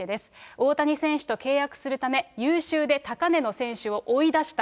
大谷選手と契約するため、優秀で高値の選手を追い出した。